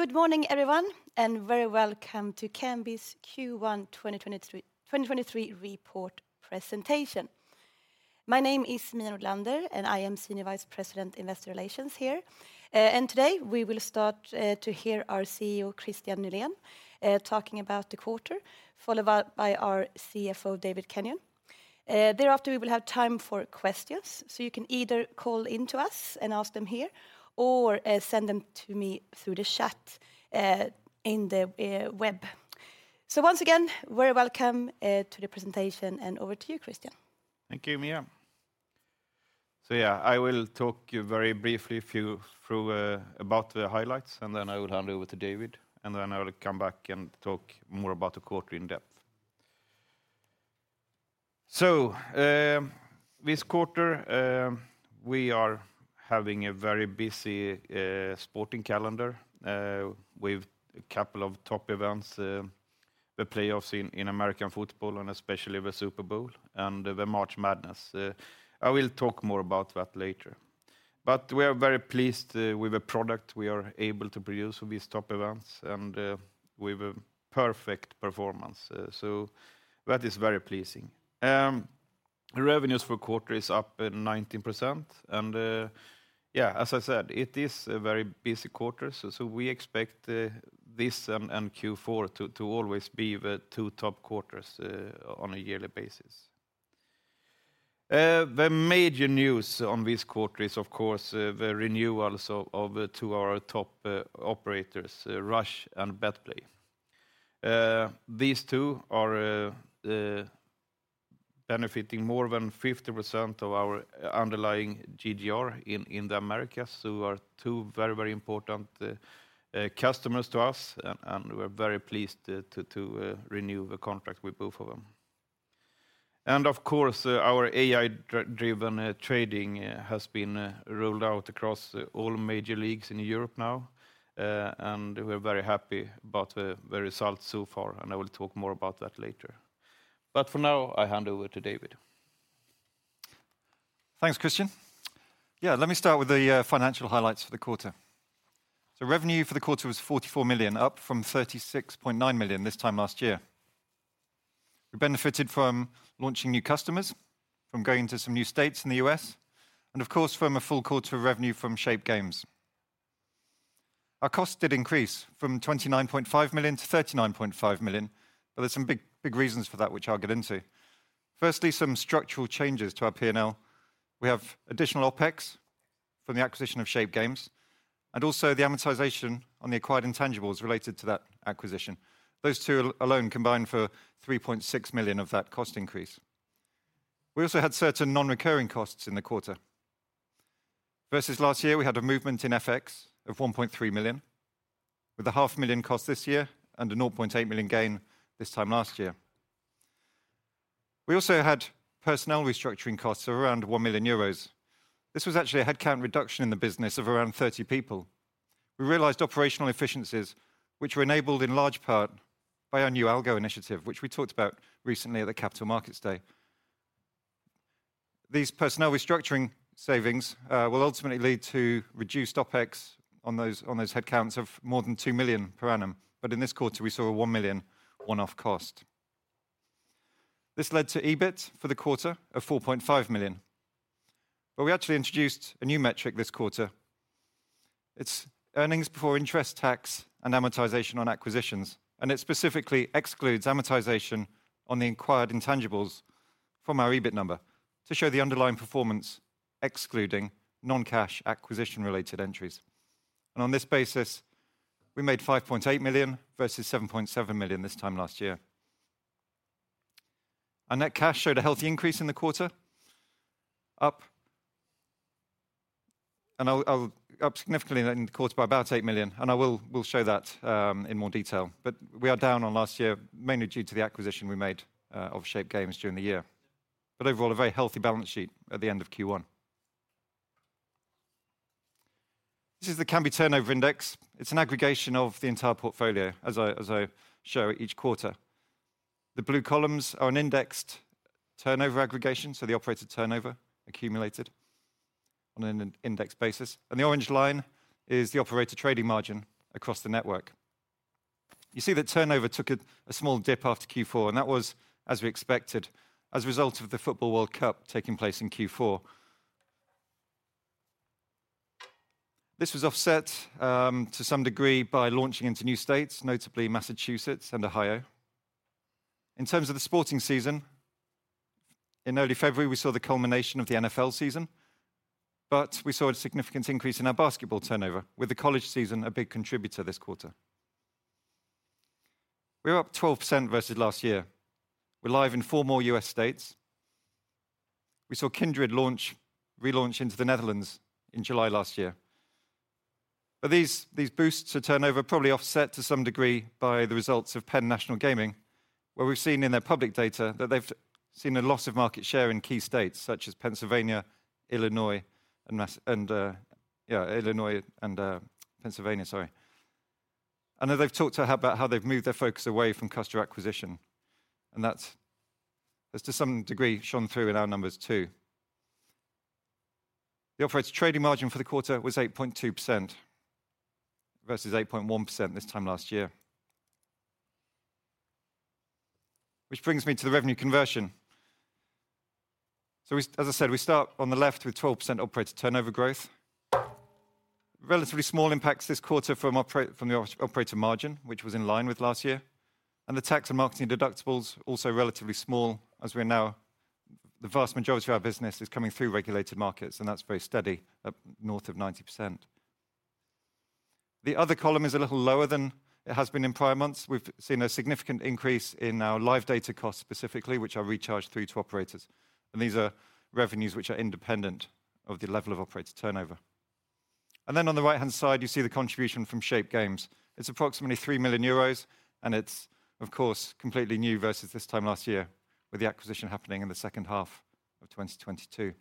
Good morning, everyone, very welcome to Kambi's Q1 2023 report presentation. My name is Mia Nordlander, I am Senior Vice President, Investor Relations here. Today we will start to hear our CEO, Kristian Nylén, talking about the quarter, followed by our CFO, David Kenyon. Thereafter, we will have time for questions, you can either call in to us and ask them here or send them to me through the chat in the web. Once again, very welcome to the presentation, over to you, Kristian. Thank you, Mia. Yeah, I will talk you very briefly through about the highlights, and then I will hand over to David, and then I will come back and talk more about the quarter in depth. This quarter, we are having a very busy sporting calendar with a couple of top events, the playoffs in American football and especially the Super Bowl and the March Madness. I will talk more about that later. We are very pleased with the product we are able to produce for these top events and with a perfect performance. That is very pleasing. Revenues for quarter is up 19%. As I said, it is a very busy quarter, so we expect this and Q4 to always be the two top quarters on a yearly basis. The major news on this quarter is, of course, the renewals of the two of our top operators, Rush and BetPlay. These two are benefiting more than 50% of our underlying GGR in the Americas, so are two very important customers to us, and we're very pleased to renew the contract with both of them. Of course, our AI-driven trading has been rolled out across all major leagues in Europe now, and we're very happy about the results so far, and I will talk more about that later. For now, I hand over to David. Thanks, Kristian. Yeah, let me start with the financial highlights for the quarter. Revenue for the quarter was 44 million, up from 36.9 million this time last year. We benefited from launching new customers, from going to some new states in the U.S., and of course, from a full quarter of revenue from Shape Games. Our costs did increase from 29.5 million to 39.5 million. There's some big reasons for that, which I'll get into. Firstly, some structural changes to our P&L. We have additional OpEx from the acquisition of Shape Games, and also the amortization on the acquired intangibles related to that acquisition. Those two alone combine for 3.6 million of that cost increase. We also had certain non-recurring costs in the quarter. Versus last year, we had a movement in FX of 1.3 million, with a half million cost this year and a 0.8 million gain this time last year. We also had personnel restructuring costs of around 1 million euros. This was actually a headcount reduction in the business of around 30 people. We realized operational efficiencies which were enabled in large part by our new algo initiative, which we talked about recently at the Capital Markets Day. These personnel restructuring savings will ultimately lead to reduced OpEx on those headcounts of more than 2 million per annum. In this quarter, we saw a 1 million one-off cost. This led to EBIT for the quarter of 4.5 million. We actually introduced a new metric this quarter. It's earnings before interest, tax and amortization on acquisitions. It specifically excludes amortization on the acquired intangibles from our EBIT number to show the underlying performance, excluding non-cash acquisition-related entries. On this basis, we made 5.8 million versus 7.7 million this time last year. Our net cash showed a healthy increase in the quarter, up significantly in the quarter by about 8 million, and I will show that in more detail. We are down on last year, mainly due to the acquisition we made of Shape Games during the year. Overall, a very healthy balance sheet at the end of Q1. This is the Kambi Turnover Index. It's an aggregation of the entire portfolio, as I show each quarter. The blue columns are an indexed turnover aggregation, so the operator turnover accumulated on an in-index basis. The orange line is the operator trading margin across the network. You see that turnover took a small dip after Q4, that was as we expected as a result of the FIFA World Cup taking place in Q4. This was offset to some degree by launching into new states, notably Massachusetts and Ohio. In terms of the sporting season, in early February, we saw the culmination of the NFL season, we saw a significant increase in our basketball turnover, with the college season a big contributor this quarter. We're up 12% versus last year. We're live in four more U.S. states. We saw Kindred relaunch into the Netherlands in July last year. These boosts to turnover probably offset to some degree by the results of Penn National Gaming, where we've seen in their public data that they've seen a loss of market share in key states such as Pennsylvania, Illinois and Pennsylvania, sorry. Then they've talked to how they've moved their focus away from customer acquisition, and that's to some degree shone through in our numbers too. The operator trading margin for the quarter was 8.2% versus 8.1% this time last year. Which brings me to the revenue conversion. As I said, we start on the left with 12% operator turnover growth. Relatively small impacts this quarter from the operator margin, which was in line with last year. The tax and marketing deductibles also relatively small as the vast majority of our business is coming through regulated markets, and that's very steady at north of 90%. The other column is a little lower than it has been in prior months. We've seen a significant increase in our live data costs specifically, which are recharged through to operators. These are revenues which are independent of the level of operator turnover. On the right-hand side, you see the contribution from Shape Games. It's approximately 3 million euros, and it's of course completely new versus this time last year, with the acquisition happening in the second half of 2022.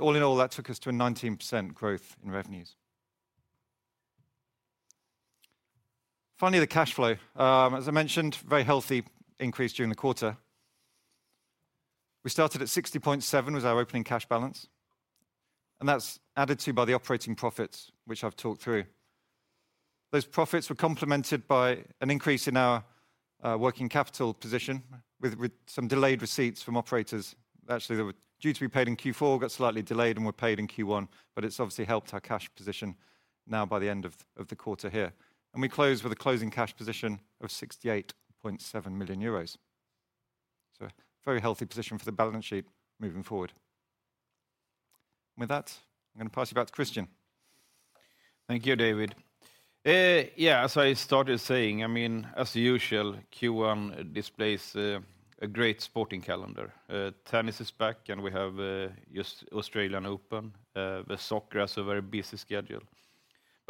All in all, that took us to a 19% growth in revenues. Finally, the cash flow. As I mentioned, very healthy increase during the quarter. We started at 60.7 was our opening cash balance. That's added to by the operating profits, which I've talked through. Those profits were complemented by an increase in our working capital position with some delayed receipts from operators. They were due to be paid in Q4, got slightly delayed, and were paid in Q1, but it's obviously helped our cash position now by the end of the quarter here. We closed with a closing cash position of 68.7 million euros. Very healthy position for the balance sheet moving forward. With that, I'm gonna pass you back to Kristian. Thank you, David. Yeah, as I started saying, I mean, as usual, Q1 displays a great sporting calendar. Tennis is back, and we have just Australian Open. The soccer has a very busy schedule.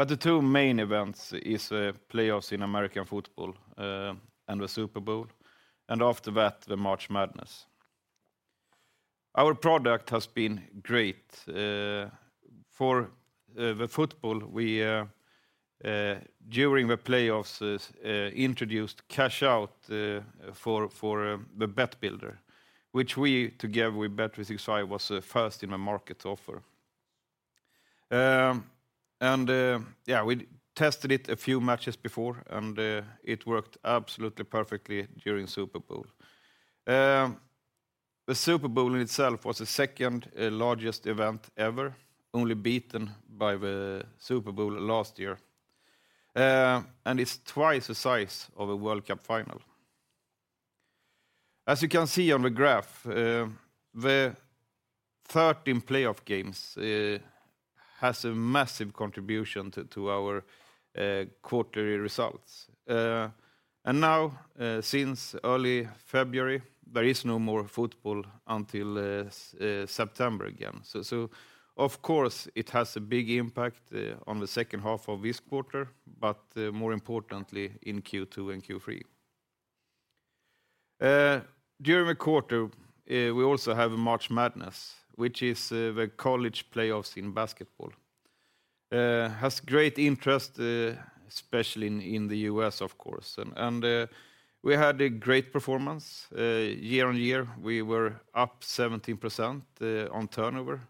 The three main events is playoffs in American football, and the Super Bowl, and after that, the March Madness. Our product has been great. For the football, we during the playoffs introduced cash-out for the Bet Builder, which we together with bet365 was the first in the market to offer. Yeah, we tested it a few matches before, and it worked absolutely perfectly during Super Bowl. The Super Bowl in itself was the second largest event ever, only beaten by the Super Bowl last year. It's twice the size of a FIFA World Cup final. As you can see on the graph, the 13 playoff games has a massive contribution to our quarterly results. Now since early February, there is no more football until September again. Of course, it has a big impact on the second half of this quarter, but more importantly in Q2 and Q3. During the quarter, we also have March Madness, which is the college playoffs in basketball. Has great interest especially in the U.S., of course. We had a great performance. Year-on-year, we were up 17% on turnover,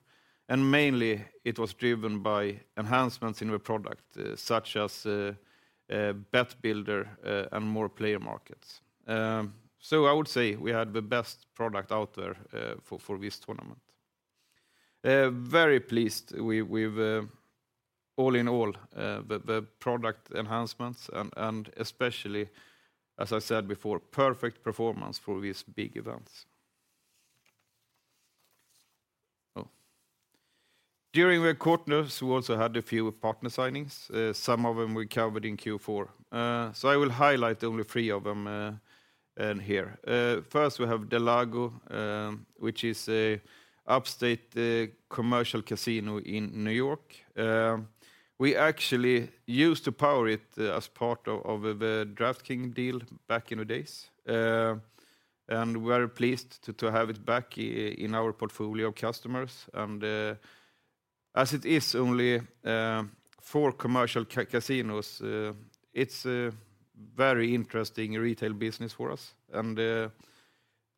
and mainly it was driven by enhancements in the product, such as Bet Builder, and more player markets. I would say we had the best product out there for this tournament. Very pleased with all in all the product enhancements and especially, as I said before, perfect performance for these big events. During the quarters, we also had a few partner signings, some of them we covered in Q4. I will highlight only three of them in here. First we have del Lago, which is a upstate commercial casino in New York. We actually used to power it as part of the DraftKings deal back in the days, we are pleased to have it back in our portfolio of customers. As it is only four commercial casinos, it's a very interesting retail business for us.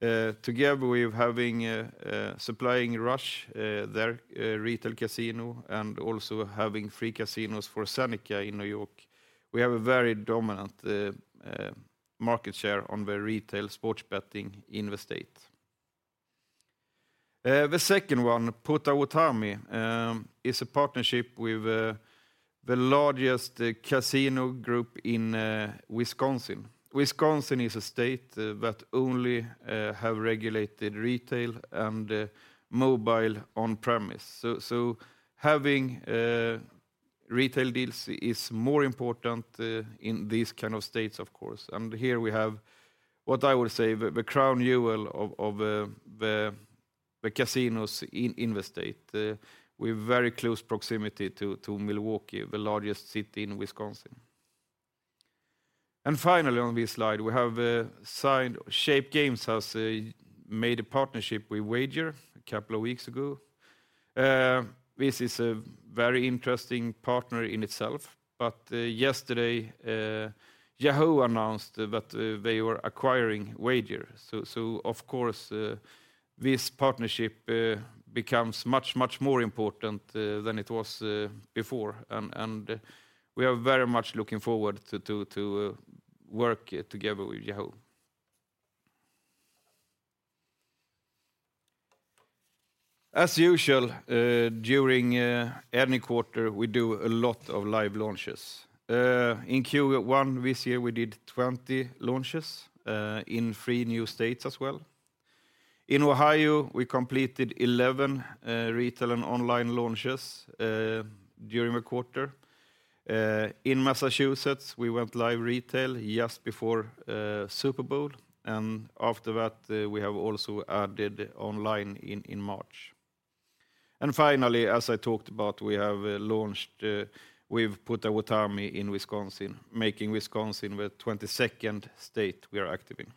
Together with supplying Rush, their retail casino and also having three casinos for Seneca in New York, we have a very dominant market share on the retail sports betting in the state. The second one, Potawatomi, is a partnership with the largest casino group in Wisconsin. Wisconsin is a state that only have regulated retail and mobile on premise. Having retail deals is more important in these kind of states, of course. Here we have, what I would say, the crown jewel of the casinos in the state, with very close proximity to Milwaukee, the largest city in Wisconsin. Finally on this slide, Shape Games has made a partnership with WAGR a couple of weeks ago. This is a very interesting partner in itself, yesterday, Yahoo announced that they were acquiring WAGR. Of course, this partnership becomes much, much more important than it was before. We are very much looking forward to work together with Yahoo. As usual, during any quarter, we do a lot of live launches. In Q1 this year, we did 20 launches in 3 new states as well. In Ohio, we completed 11 retail and online launches during the quarter. In Massachusetts, we went live retail just before Super Bowl, after that, we have also added online in March. Finally, as I talked about, we have launched, we've put our army in Wisconsin, making Wisconsin the 22nd state we are active in.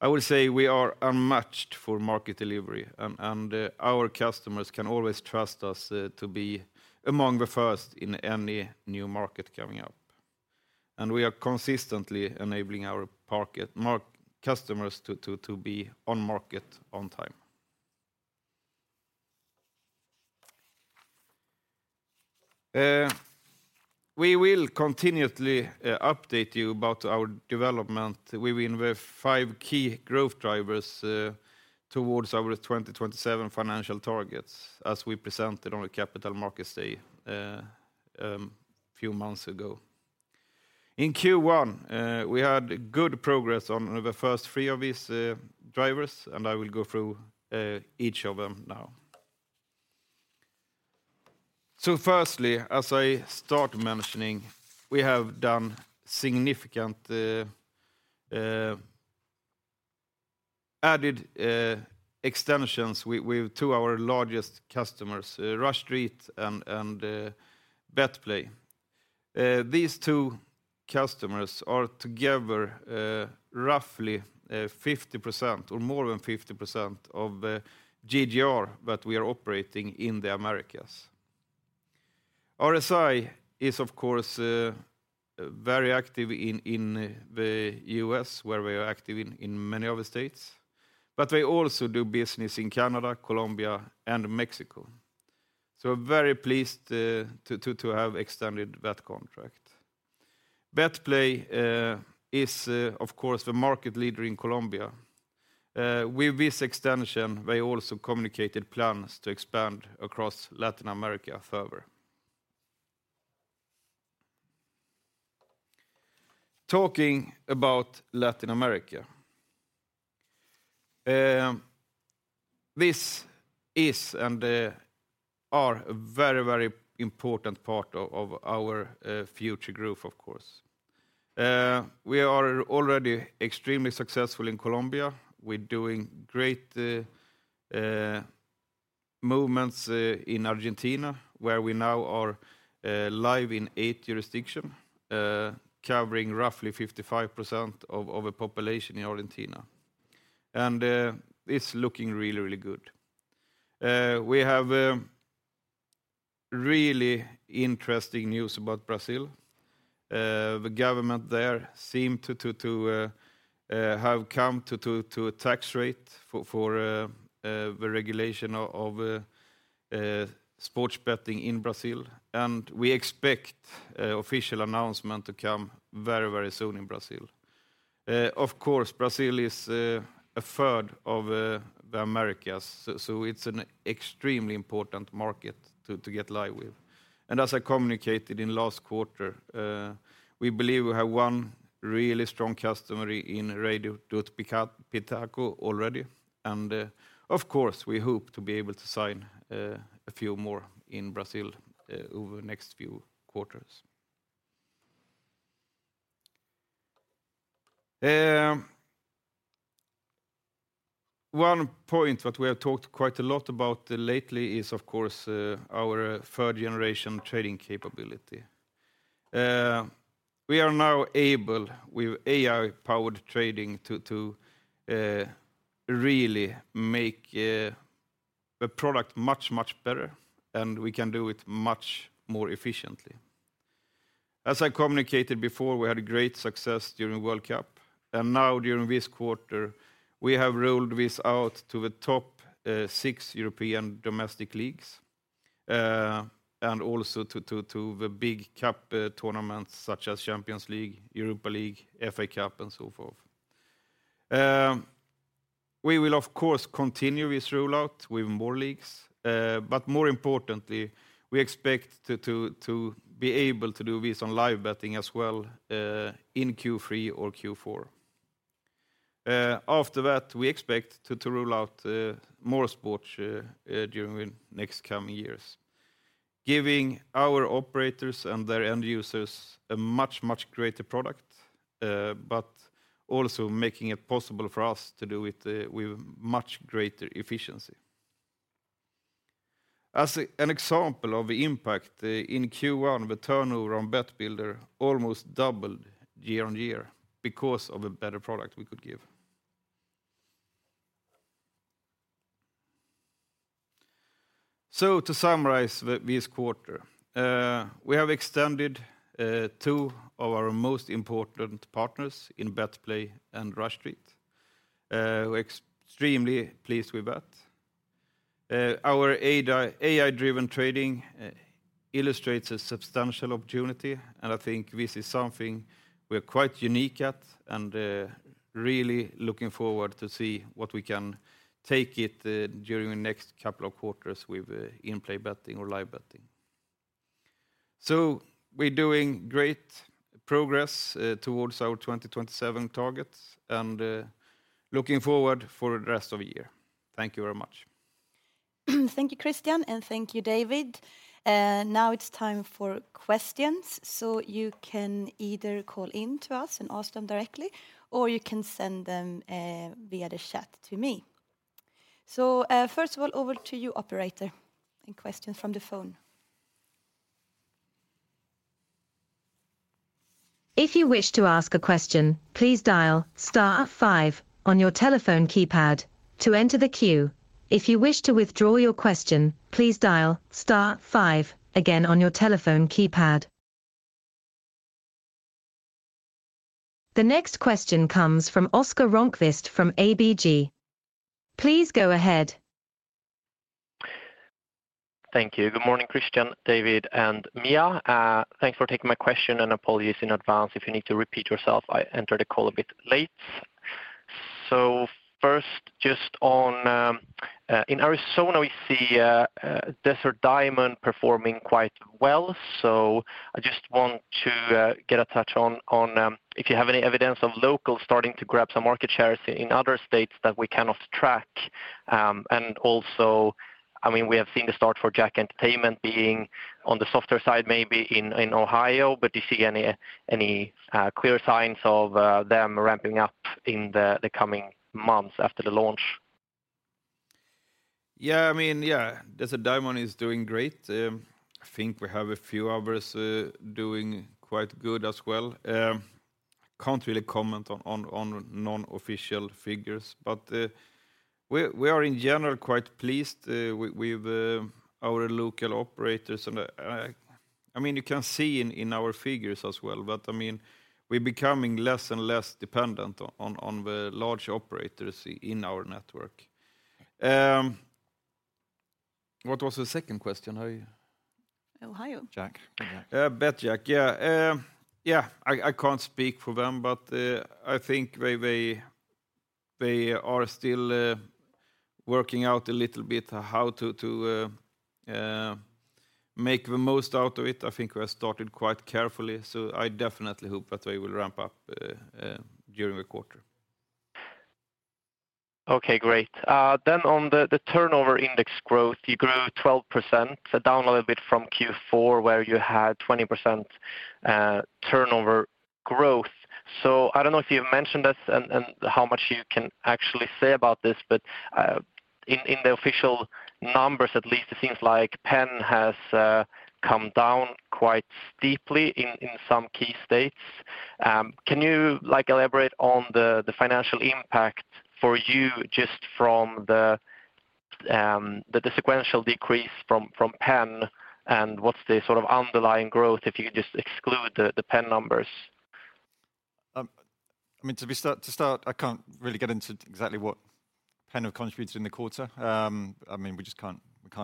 I will say we are unmatched for market delivery and our customers can always trust us to be among the first in any new market coming up. We are consistently enabling our customers to be on market on time. We will continually update you about our development within the five key growth drivers towards our 2027 financial targets as we presented on the Capital Markets Day few months ago. In Q1, we had good progress on the first three of these drivers. I will go through each of them now. Firstly, as I start mentioning, we have done significant added extensions with two our largest customers, Rush Street and BetPlay. These two customers are together, roughly 50% or more than 50% of GGR that we are operating in the Americas. RSI is of course, very active in the US where we are active in many of the states, but they also do business in Canada, Colombia and Mexico. Very pleased to have extended that contract. BetPlay is of course the market leader in Colombia. With this extension, they also communicated plans to expand across Latin America further. Talking about Latin America, this is and are a very, very important part of our future growth of course. We are already extremely successful in Colombia. We're doing great movements in Argentina, where we now are live in 8 jurisdiction, covering roughly 55% of the population in Argentina. It's looking really good. We have really interesting news about Brazil. The government there seem to have come to a tax rate for the regulation of sports betting in Brazil. We expect official announcement to come very soon in Brazil. Of course, Brazil is a third of the Americas, so it's an extremely important market to get live with. As I communicated in last quarter, we believe we have one really strong customer in Rei do Pitaco already. Of course, we hope to be able to sign, a few more in Brazil, over the next few quarters. One point that we have talked quite a lot about lately is of course, our third generation trading capability. We are now able with AI-driven trading to really make the product much, much better, and we can do it much more efficiently. As I communicated before, we had great success during World Cup, and now during this quarter, we have rolled this out to the top, six European domestic leagues, and also to the big cup tournaments such as Champions League, Europa League, FA Cup, and so forth. We will of course continue this rollout with more leagues, but more importantly, we expect to be able to do this on live betting as well, in Q3 or Q4. After that, we expect to roll out more sports during the next coming years. Giving our operators and their end users a much greater product, but also making it possible for us to do it with much greater efficiency. As an example of the impact in Q1, the turnover on Bet Builder almost doubled year-on-year because of a better product we could give. To summarize this quarter, we have extended two of our most important partners in BetPlay and Rush Street. We're extremely pleased with that. Our AI-driven trading illustrates a substantial opportunity, and I think this is something we're quite unique at, and really looking forward to see what we can take it during the next couple of quarters with in-play betting or live betting. We're doing great progress towards our 2027 targets and looking forward for the rest of the year. Thank you very much. Thank you, Kristian, and thank you, David. Now it's time for questions. You can either call in to us and ask them directly, or you can send them via the chat to me. First of all, over to you, operator. Any questions from the phone? If you wish to ask a question, please dial star five on your telephone keypad to enter the queue. If you wish to withdraw your question, please dial star five again on your telephone keypad. The next question comes from Oscar Rönnkvist from ABG. Please go ahead. Thank you. Good morning, Kristian, David, and Mia. Thanks for taking my question, and apologies in advance if you need to repeat yourself. I entered the call a bit late. First, just on in Arizona, we see Desert Diamond performing quite well. I just want to get a touch on if you have any evidence of locals starting to grab some market shares in other states that we cannot track. Also, I mean, we have seen the start for JACK Entertainment being on the softer side, maybe in Ohio, but do you see any clear signs of them ramping up in the coming months after the launch? Yeah, I mean, yeah, Desert Diamond is doing great. I think we have a few others doing quite good as well. Can't really comment on non-official figures, but we are in general quite pleased with our local operators. I mean, you can see in our figures as well, but I mean, we're becoming less and less dependent on the large operators in our network. What was the second question? How you- Ohio. Jack. betJACK. Yeah. Yeah, I can't speak for them, I think they are still working out a little bit how to make the most out of it. I think we have started quite carefully, I definitely hope that they will ramp up during the quarter. Okay, great. On the Turnover Index growth, you grew 12%, down a little bit from Q4, where you had 20% Turnover growth. I don't know if you've mentioned this and how much you can actually say about this, but in the official numbers at least, it seems like PENN has come down quite steeply in some key states. Can you, like, elaborate on the financial impact for you just from the sequential decrease from PENN, and what's the sort of underlying growth if you could just exclude the PENN numbers? I mean, to start, I can't really get into exactly what PENN have contributed in the quarter. I mean, we just can't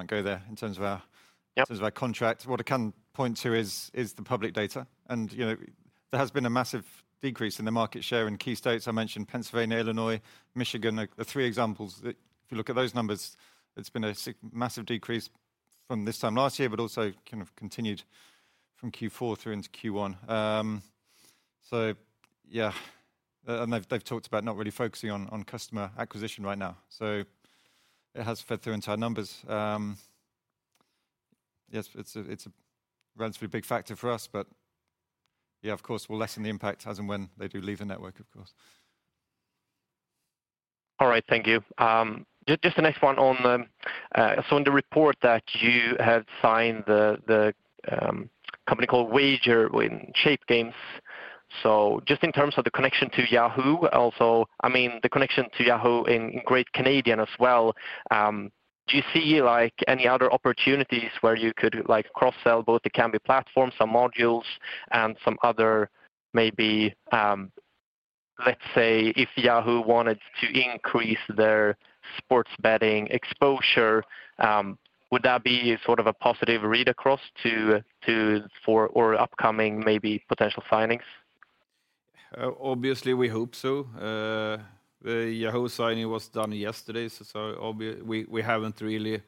go there in terms of our in terms of our contract. What I can point to is the public data, and, you know, there has been a massive decrease in the market share in key states. I mentioned Pennsylvania, Illinois, Michigan are the three examples that if you look at those numbers, it's been a massive decrease from this time last year, but also kind of continued from Q4 through into Q1. Yeah. They've talked about not really focusing on customer acquisition right now, so it has fed through into our numbers. Yes, it's a relatively big factor for us, but of course, we'll lessen the impact as and when they do leave the network, of course. All right. Thank you. Just the next one on the, in the report that you have signed the company called WAGR in Shape Games. Just in terms of the connection to Yahoo, also, I mean, the connection to Yahoo in Great Canadian as well, do you see, like, any other opportunities where you could, like, cross-sell both the Kambi platform, some modules, and some other maybe, let's say if Yahoo wanted to increase their sports betting exposure, would that be sort of a positive read across to, for or upcoming maybe potential signings? Obviously, we hope so. The Yahoo signing was done yesterday, so we haven't really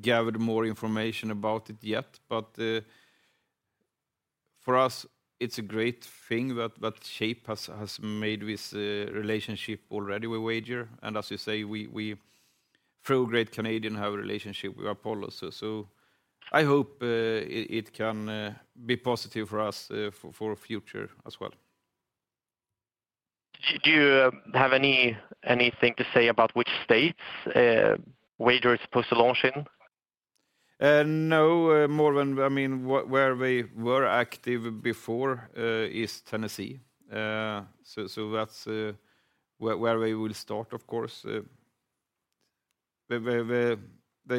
gathered more information about it yet. For us, it's a great thing that Shape has made this relationship already with WAGR. As you say, we, through Great Canadian, have a relationship with Apollo, so I hope it can be positive for us for future as well. Do you have anything to say about which states WAGR is supposed to launch in? No more than where we were active before is Tennessee. That's where we will start, of course. The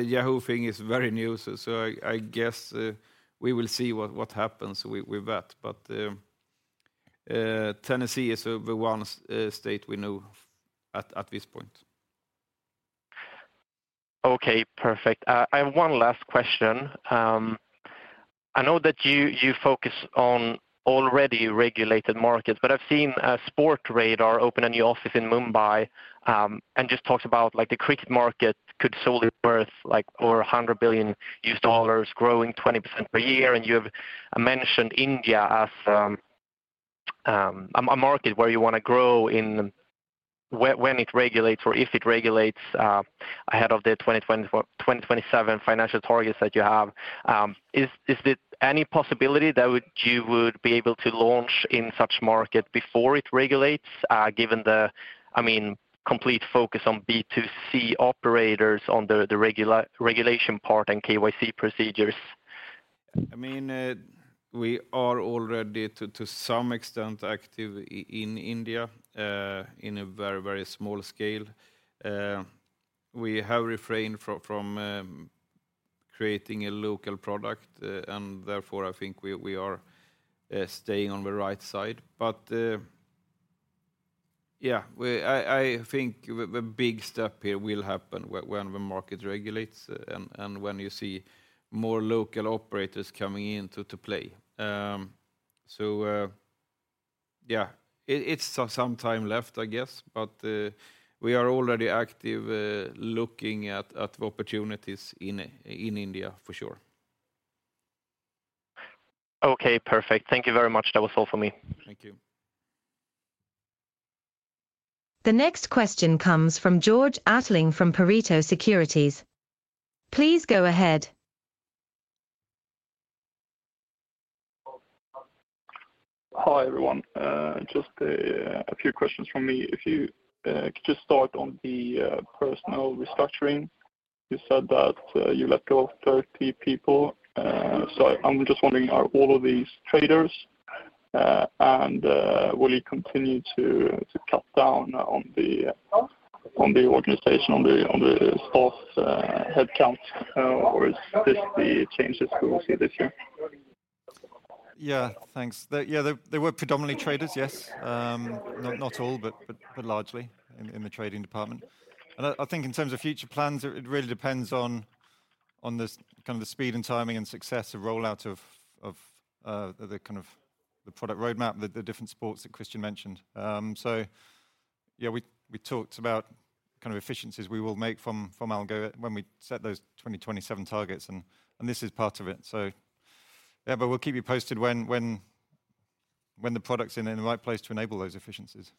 Yahoo thing is very new, so I guess we will see what happens with that. Tennessee is the one state we know at this point. Okay, perfect. I have one last question. I know that you focus on already regulated markets, but I've seen Sportradar open a new office in Mumbai, and just talks about like the cricket market could solely worth like over $100 billion growing 20% per year. You have mentioned India as a market where you wanna grow when it regulates or if it regulates ahead of the 2027 financial targets that you have. Is it any possibility that you would be able to launch in such market before it regulates, given the, I mean, complete focus on B2C operators on the regulation part and KYC procedures? I mean, we are already to some extent active in India, in a very small scale. We have refrained from creating a local product, and therefore I think we are staying on the right side. I think the big step here will happen when the market regulates and when you see more local operators coming in to play. It's so some time left, I guess, but we are already active, looking at opportunities in India for sure. Okay, perfect. Thank you very much. That was all for me. Thank you. The next question comes from Georg Attling from Pareto Securities. Please go ahead. Hi, everyone. just a few questions from me. If you could just start on the personal restructuring. You said that you let go of 30 people. I'm just wondering, are all of these traders, and will you continue to cut down on the organization, on the staff headcount, or is this the changes we will see this year? Yeah, thanks. Yeah, they were predominantly traders, yes. Not all, but largely in the trading department. I think in terms of future plans, it really depends on the kind of the speed and timing and success of rollout of the kind of the product roadmap, the different sports that Kristian mentioned. Yeah, we talked about kind of efficiencies we will make from algo when we set those 2027 targets, and this is part of it. Yeah, but we'll keep you posted when the product's in the right place to enable those efficiencies.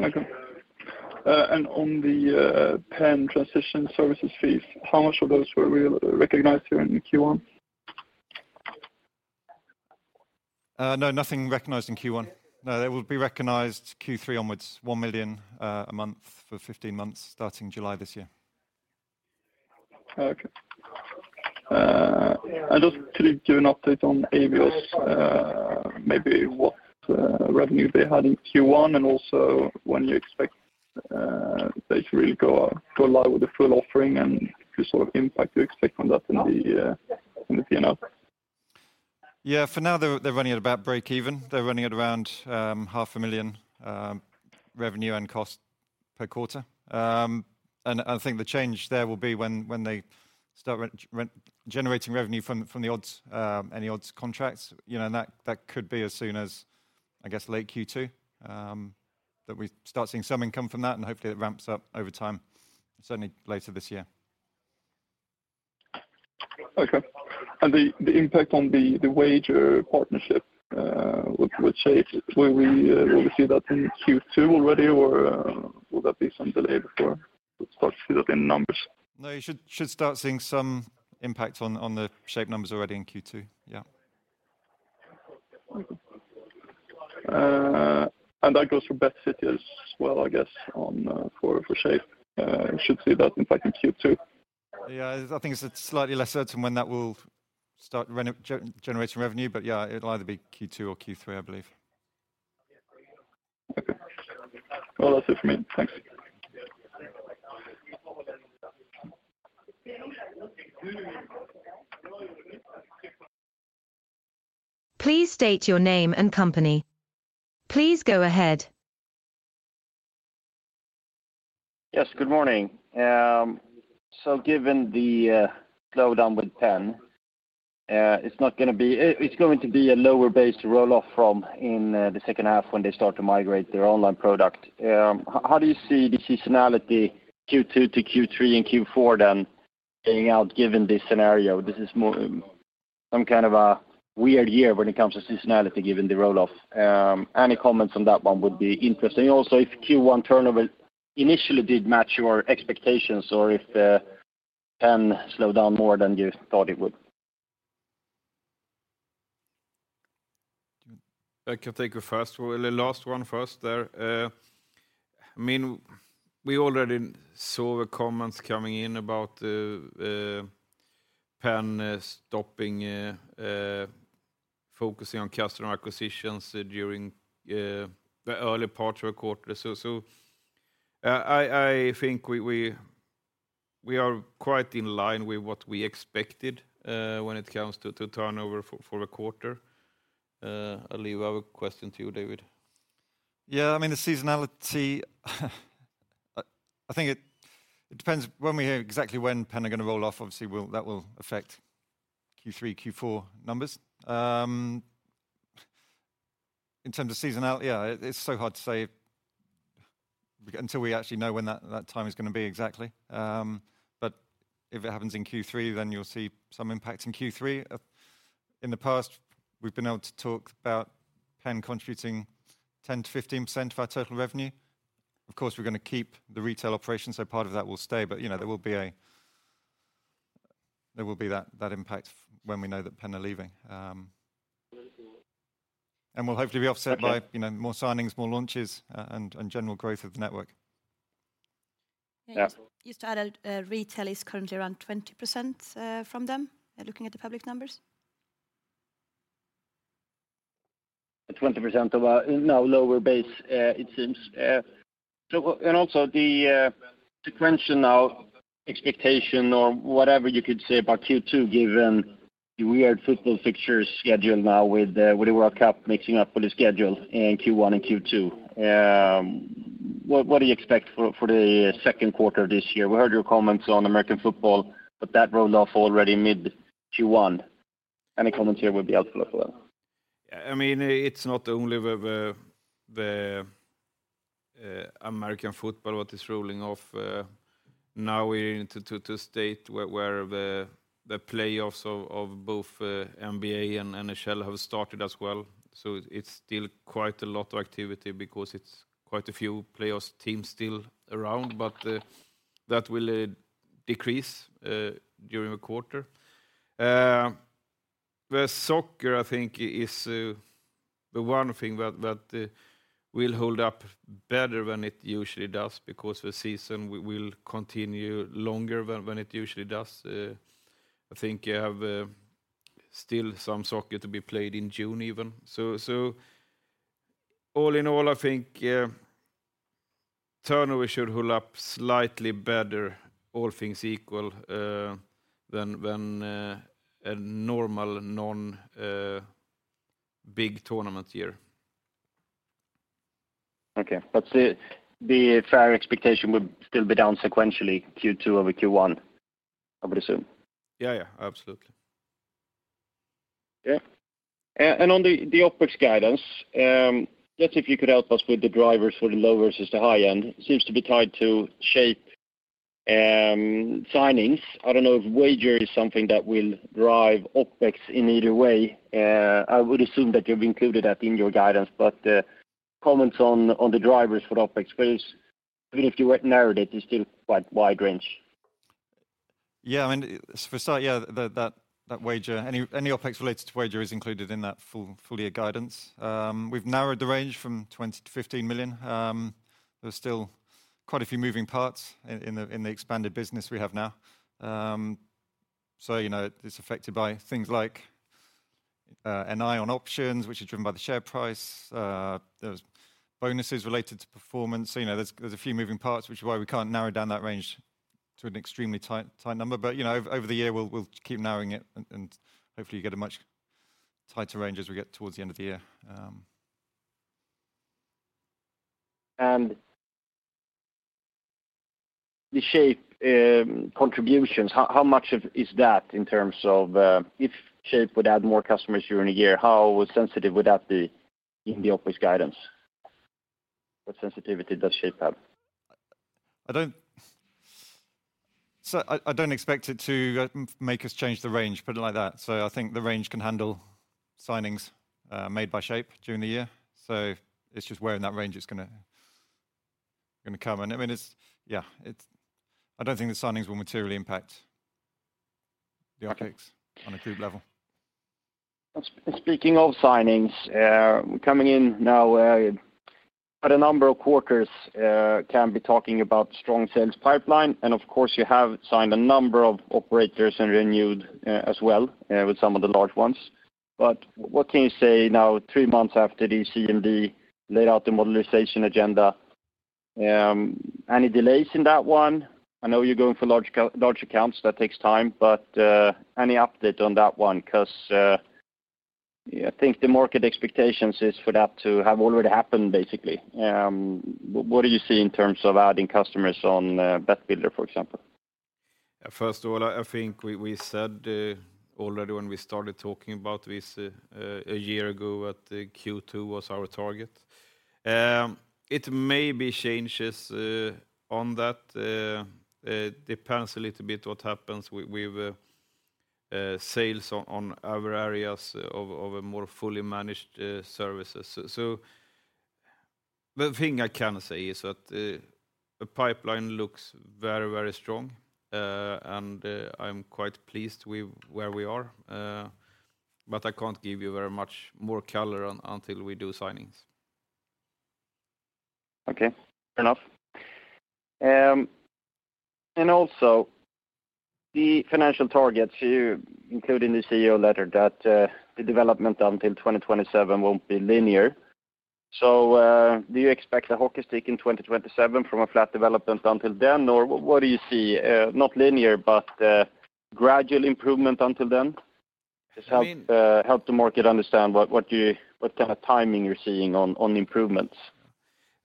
Okay. On the PENN transition services fees, how much of those were real recognized here in Q1? No, nothing recognized in Q1. No, they will be recognized Q3 onwards, 1 million a month for 15 months starting July this year. Okay. Just could you give an update on Abios? Maybe what revenue they had in Q1 and also when you expect they to really go live with the full offering and the sort of impact you expect from that in the PNL? Yeah. For now, they're running at about break even. They're running at around half a million revenue and cost per quarter. I think the change there will be when they start generating revenue from the odds, any odds contracts, you know. That could be as soon as, I guess, late Q2, that we start seeing some income from that, and hopefully it ramps up over time, certainly later this year. Okay. The impact on the WAGR partnership, with Shape, will we see that in Q2 already, or, will that be some delay before we start to see that in numbers? No, you should start seeing some impact on the Shape numbers already in Q2. Yeah. Okay. That goes for BetCity as well, I guess, on for Shape. We should see that impact in Q2. Yeah. I think it's slightly less certain when that will start generating revenue. Yeah, it'll either be Q2 or Q3, I believe. Okay. Well, that's it for me. Thanks. Please state your name and company. Please go ahead. Good morning. Given the slowdown with PENN, it's going to be a lower base to roll off from in the second half when they start to migrate their online product. How do you see the seasonality Q2 to Q3 and Q4 then playing out given this scenario? This is more some kind of a weird year when it comes to seasonality given the roll-off. Any comments on that one would be interesting. If Q1 turnover initially did match your expectations or if the PENN slowed down more than you thought it would? I I think it depends when we hear exactly when PENN are gonna roll off. Obviously, that will affect Q3, Q4 numbers. In terms of seasonality, it's so hard to say until we actually know when that time is gonna be exactly. If it happens in Q3, then you'll see some impact in Q3. In the past, we've been able to talk about PENN contributing 10%-15% of our total revenue. Of course, we're gonna keep the retail operation, so part of that will stay. You know, there will be that impact when we know that PENN are leaving. And we'll hopefully be offset by- Okay... you know, more signings, more launches, and general growth of the network. Yeah. Just to add, retail is currently around 20% from them, looking at the public numbers. 20% of our, you know, lower base, it seems. And also the sequential expectation or whatever you could say about Q2, given the weird football fixtures schedule now with the World Cup mixing up with the schedule in Q1 and Q2. What do you expect for the second quarter this year? We heard your comments on American football, but that rolled off already mid Q1. Any comments here would be helpful as well. I mean, it's not only the American football that is rolling off. Now we're into a state where the playoffs of both NBA and NHL have started as well. It's still quite a lot of activity because it's quite a few playoffs teams still around, but that will decrease during the quarter. The soccer I think is the one thing that will hold up better than it usually does because the season will continue longer than it usually does. I think you have still some soccer to be played in June even. All in all, I think turnover should hold up slightly better, all things equal, than a normal non big tournament year. Okay. The, the fair expectation would still be down sequentially Q2 over Q1, I would assume. Yeah, yeah, absolutely. Yeah. On the OpEx guidance, just if you could help us with the drivers for the low versus the high end. Seems to be tied to Shape signings. I don't know if WAGR is something that will drive OpEx in either way. I would assume that you've included that in your guidance, but comments on the drivers for the OpEx please. Even if you narrowed it's still quite wide range. I mean, for start, that WAGR any OpEx related to WAGR is included in that full year guidance. We've narrowed the range from 20 million-15 million. There's still quite a few moving parts in the expanded business we have now. You know, it's affected by things like an eye on options which are driven by the share price. There's bonuses related to performance. You know, there's a few moving parts which is why we can't narrow down that range to an extremely tight number. You know, over the year, we'll keep narrowing it and hopefully get a much tighter range as we get towards the end of the year. The Shape contributions, how much of is that in terms of, if Shape would add more customers during the year, how sensitive would that be in the OpEx guidance? What sensitivity does Shape have? I don't expect it to make us change the range, put it like that. I think the range can handle signings made by Shape during the year. It's just where in that range it's gonna come. I mean, it's yeah, it's I don't think the signings will materially impact the OpEx on a group level. Speaking of signings, we're coming in now, at a number of quarters, Kambi talking about strong sales pipeline, and of course, you have signed a number of operators and renewed, as well, with some of the large ones. What can you say now, three months after the CMD laid out the modularization agenda? Any delays in that one? I know you're going for large accounts, that takes time, but, any update on that one? 'Cause, I think the market expectations is for that to have already happened, basically. What do you see in terms of adding customers on, Bet Builder, for example? First of all, I think we said already when we started talking about this a year ago that Q2 was our target. It may be changes on that. It depends a little bit what happens with sales on other areas of a more fully managed services. The thing I can say is that the pipeline looks very, very strong. I'm quite pleased with where we are. I can't give you very much more color until we do signings. Okay. Fair enough. The financial targets, you include in the CEO letter that the development until 2027 won't be linear. Do you expect a hockey stick in 2027 from a flat development until then or what do you see? Not linear, but gradual improvement until then? I mean- Just help the market understand what kind of timing you're seeing on improvements.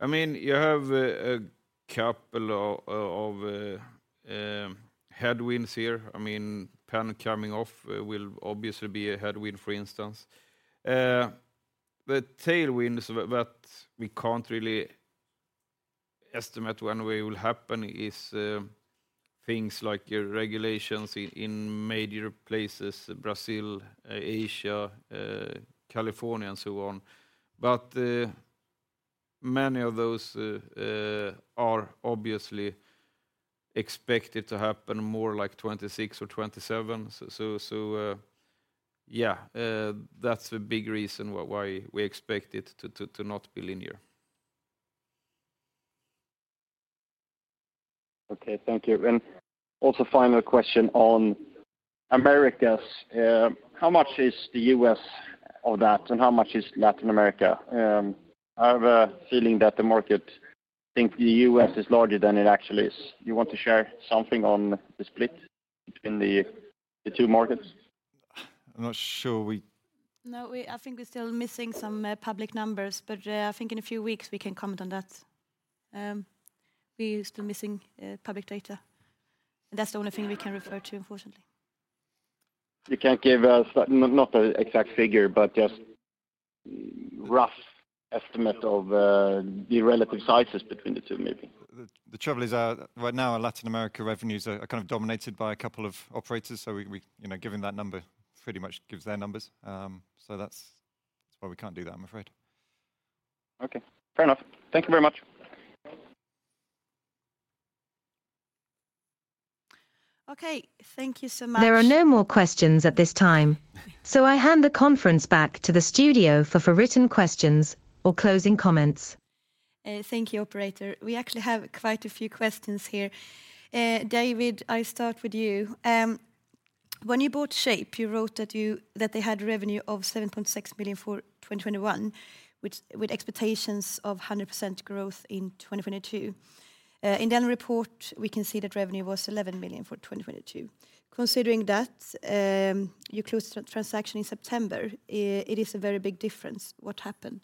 I mean, you have a couple of headwinds here. I mean, PENN coming off will obviously be a headwind, for instance. The tailwinds that we can't really estimate when they will happen is things like your regulations in major places, Brazil, Asia, California, and so on. Many of those are obviously expected to happen more like 26 or 27. Yeah, that's a big reason why we expect it to not be linear. Okay. Thank you. Also final question on Americas. How much is the U.S. of that and how much is Latin America? I have a feeling that the market think the U.S. is larger than it actually is. You want to share something on the split between the two markets? I'm not sure. I think we're still missing some public numbers, but I think in a few weeks we can comment on that. We're still missing public data. That's the only thing we can refer to, unfortunately. You can't give us not the exact figure, but just rough estimate of the relative sizes between the two maybe. The trouble is, right now our Latin America revenues are kind of dominated by a couple of operators, so we, you know, giving that number pretty much gives their numbers. That's why we can't do that, I'm afraid. Okay. Fair enough. Thank you very much. Okay. Thank you so much. There are no more questions at this time, I hand the conference back to the studio for written questions or closing comments. Thank you, operator. We actually have quite a few questions here. David, I start with you. When you bought Shape Games, you wrote that they had revenue of 7.6 billion for 2021, with expectations of 100% growth in 2022. In the annual report, we can see that revenue was 11 million for 2022. Considering that, you closed the transaction in September, it is a very big difference. What happened?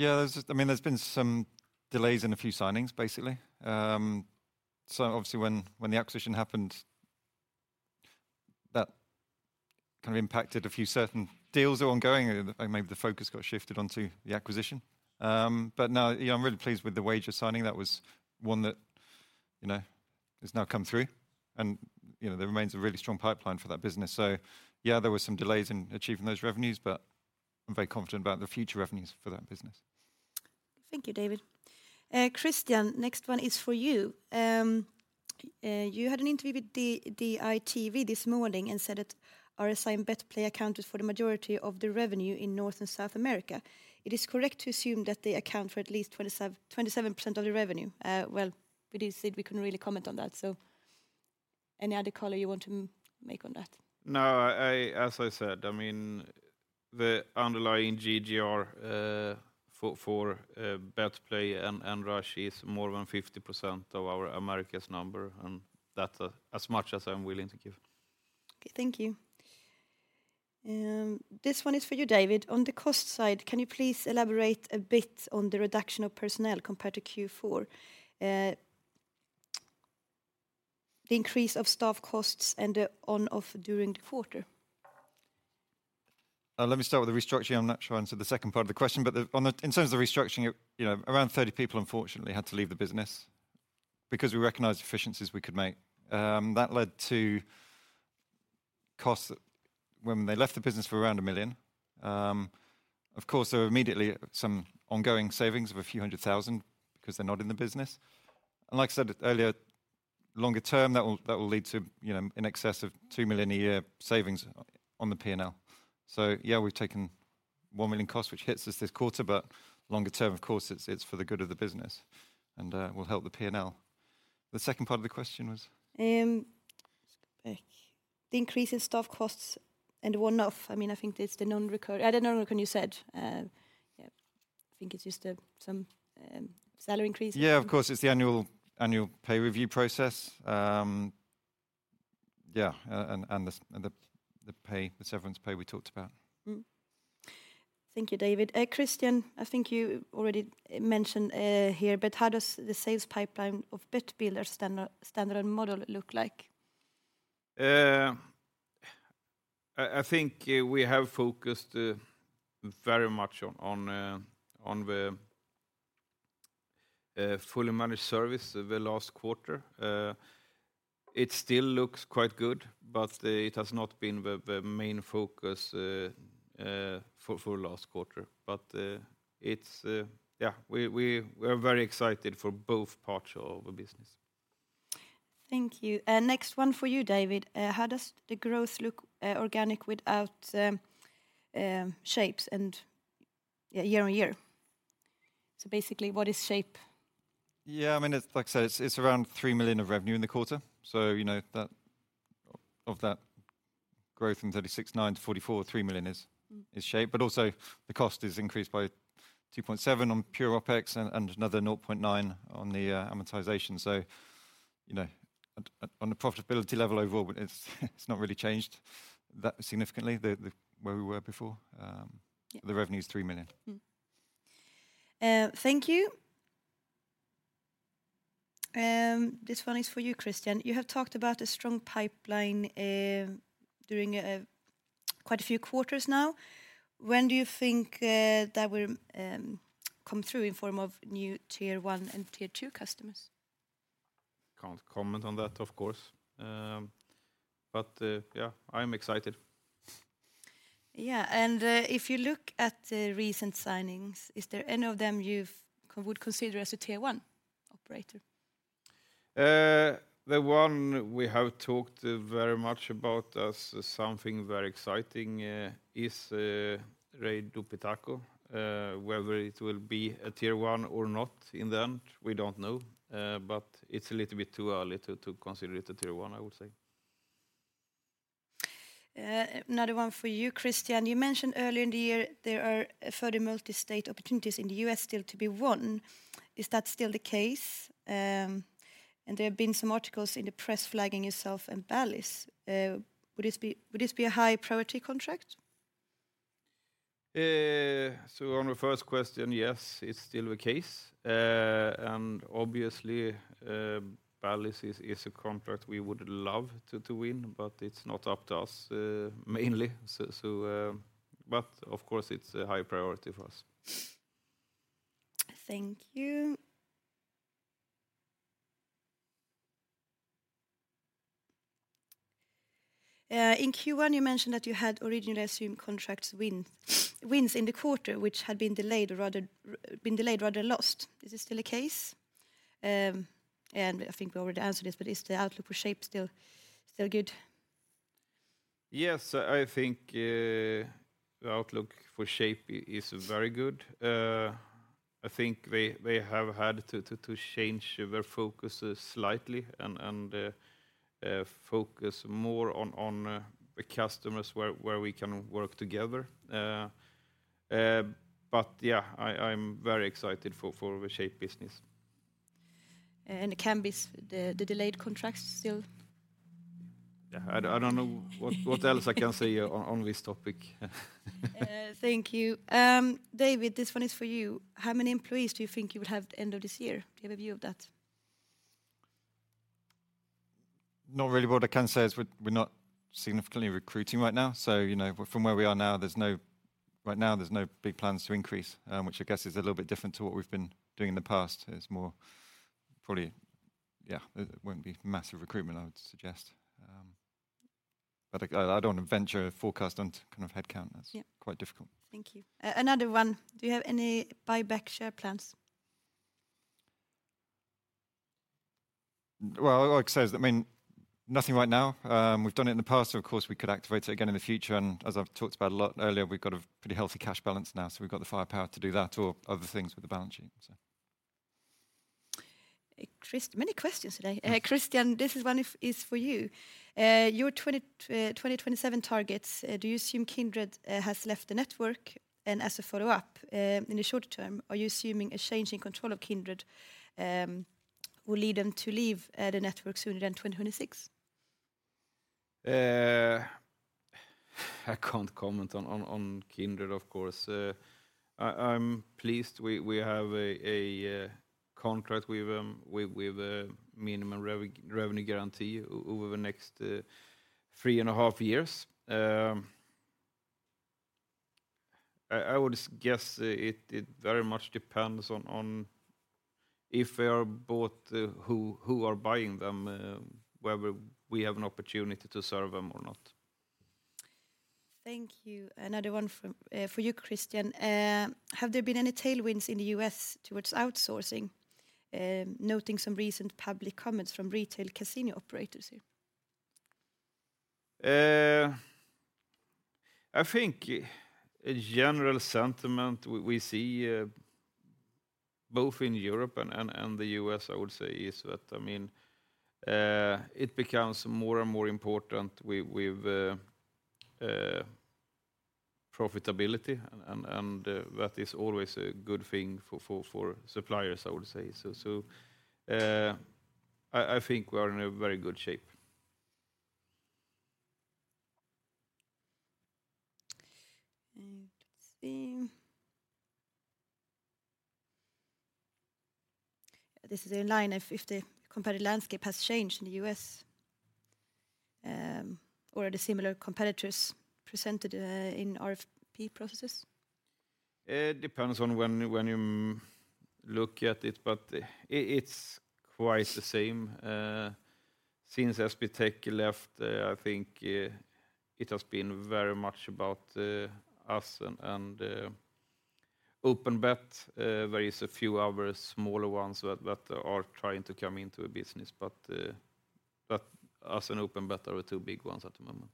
Yeah, there's been some delays in a few signings, basically. Obviously, when the acquisition happened, that kind of impacted a few certain deals that were ongoing. Maybe the focus got shifted onto the acquisition. No, you know, I'm really pleased with the WAGR signing. That was one that, you know, has now come through, and, you know, there remains a really strong pipeline for that business. Yeah, there were some delays in achieving those revenues, but I'm very confident about the future revenues for that business. Thank you, David. Kristian, next one is for you. You had an interview with Di+TV this morning and said that RSI and BetPlay accounted for the majority of the revenue in North and South America. It is correct to assume that they account for at least 27% of the revenue? Well, we did say we couldn't really comment on that, so any other color you want to make on that? No, I, as I said, I mean, the underlying GGR, for BetPlay and Rush is more than 50% of our Americas number, and that's as much as I'm willing to give. Okay. Thank you. This one is for you, David. On the cost side, can you please elaborate a bit on the reduction of personnel compared to Q4? The increase of staff costs and the one-off during the quarter. Let me start with the restructuring. I'm not sure I answered the second part of the question. In terms of the restructuring, you know, around 30 people unfortunately had to leave the business because we recognized efficiencies we could make. That led to costs when they left the business for around 1 million. Of course, there were immediately some ongoing savings of a few hundred thousand EUR because they're not in the business. Like I said earlier, longer term, that will lead to, you know, in excess of 2 million a year savings on the P&L. Yeah, we've taken 1 million cost, which hits us this quarter, but longer term, of course, it's for the good of the business and will help the P&L. The second part of the question was? just go back. The increase in staff costs and the one-off, I think that's the non-recurring. The non-recurring you said. Yeah, I think it's just, some, salary increases. Yeah, of course, it's the annual pay review process. Yeah, and the pay, the severance pay we talked about. Thank you, David. Kristian, I think you already mentioned, here, but how does the sales pipeline of Bet Builder stand-alone model look like? I think, we have focused very much on fully managed service the last quarter. It still looks quite good, but it has not been the main focus for last quarter. It's. Yeah, we're very excited for both parts of the business. Thank you. Next one for you, David. How does the growth look, organic without Shapes and year-over-year? Basically what is Shape? Yeah, I mean, it's like I said, it's around 3 million of revenue in the quarter. You know, of that growth from 36.9 to 44, 3 million is Shape. Also the cost is increased by 2.7 on pure OpEx and another 0.9 on the amortization. You know, on a profitability level overall, but it's not really changed that significantly where we were before. Yeah. The revenue is 3 million. Thank you. This one is for you, Kristian. You have talked about a strong pipeline during quite a few quarters now. When do you think that will come through in form of new Tier one and Tier two customers? Can't comment on that, of course. Yeah, I'm excited. Yeah. If you look at the recent signings, is there any of them would consider as a Tier one operator? The one we have talked very much about as something very exciting is Rei do Pitaco. Whether it will be a Tier one or not in the end, we don't know. It's a little bit too early to consider it a Tier one, I would say. another one for you, Kristian. You mentioned earlier in the year there are further multi-state opportunities in the US still to be won. Is that still the case? There have been some articles in the press flagging yourself and Bally's. Would this be a high priority contract? On the first question, yes, it's still the case. Obviously, Bally's is a contract we would love to win, but it's not up to us mainly. Of course it's a high priority for us. Thank you. In Q1, you mentioned that you had originally assumed contracts win-wins in the quarter, which had been delayed rather lost. Is this still the case? I think we already answered this, but is the outlook for Shape still good? Yes. I think, the outlook for Shape is very good. I think they have had to change their focus slightly and focus more on the customers where we can work together. Yeah, I'm very excited for the Shape business. It can be the delayed contracts still? Yeah. I don't know what else I can say on this topic. Thank you. David, this one is for you. How many employees do you think you will have at the end of this year? Do you have a view of that? Not really. What I can say is we're not significantly recruiting right now. You know, from where we are now, right now there's no big plans to increase, which I guess is a little bit different to what we've been doing in the past. It's more probably, yeah, it won't be massive recruitment, I would suggest. But I don't want to venture a forecast on kind of headcount. Yeah. Quite difficult. Thank you. another one. Do you have any buyback share plans? Well, like I said, I mean, nothing right now. We've done it in the past, so of course we could activate it again in the future. As I've talked about a lot earlier, we've got a pretty healthy cash balance now, so we've got the firepower to do that or other things with the balance sheet, so. Chris, many questions today. Yeah. Kristian, this one is for you. Your 2027 targets, do you assume Kindred has left the network? As a follow-up, in the short term, are you assuming a change in control of Kindred will lead them to leave the network sooner than 2026? I can't comment on Kindred, of course. I'm pleased we have a contract with them with a minimum revenue guarantee over the next 3 and a half years. I guess it very much depends on if they are bought, who are buying them, whether we have an opportunity to serve them or not. Thank you. Another one from for you, Kristian. Have there been any tailwinds in the US towards outsourcing? Noting some recent public comments from retail casino operators here. I think a general sentiment we see, both in Europe and the U.S., I would say, is that, I mean, it becomes more and more important with profitability and that is always a good thing for suppliers, I would say. I think we are in a very good shape. Let's see. This is in line if the competitive landscape has changed in the US, or are the similar competitors presented in RFP processes? Depends on when you look at it, but it's quite the same. Since SBTech left, I think, it has been very much about us and OpenBet. There is a few other smaller ones that are trying to come into the business, but us and OpenBet are the two big ones at the moment.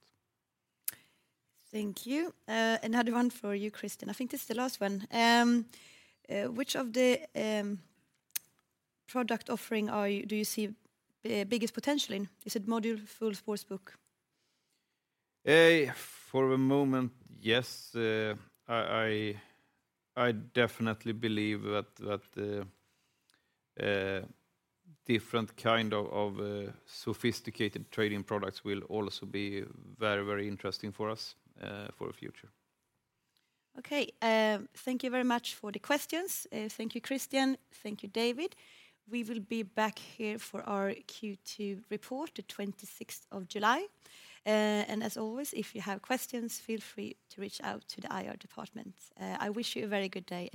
Thank you. Another one for you, Kristian. I think this is the last one. Which of the product offering do you see biggest potential in? Is it module full sportsbook? For the moment, yes. I definitely believe that different kind of sophisticated trading products will also be very interesting for us, for the future. Okay. Thank you very much for the questions. Thank you, Kristian. Thank you, David. We will be back here for our Q2 report, the 26th of July. As always, if you have questions, feel free to reach out to the IR department. I wish you a very good day.